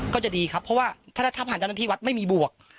ก็จะดีครับเพราะว่าถ้าผ่านเจ้าหน้าที่วัดไม่มีบวก